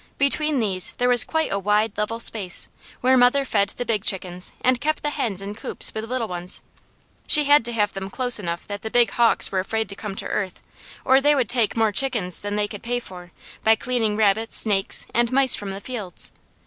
Between these there was quite a wide level space, where mother fed the big chickens and kept the hens in coops with little ones. She had to have them close enough that the big hawks were afraid to come to earth, or they would take more chickens than they could pay for, by cleaning rabbits, snakes, and mice from the fields.